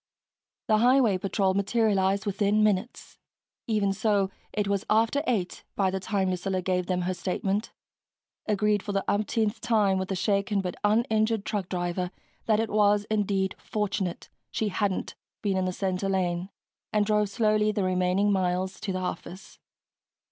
The highway patrol materialized within minutes. Even so, it was after eight by the time Lucilla gave them her statement, agreed for the umpteenth time with the shaken but uninjured truck driver that it was indeed fortunate she hadn't been in the center lane, and drove slowly the remaining miles to the office.